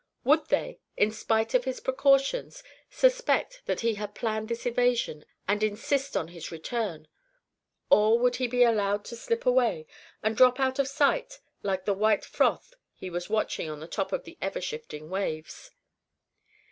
Would they, in spite of his precautions, suspect that he had planned this evasion and insist on his return, or would he be allowed to slip away and drop out of sight like the white froth he was watching on the top of the ever shifting waves?